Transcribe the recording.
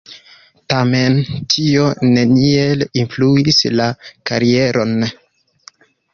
Tamen tio neniel influis la karieron.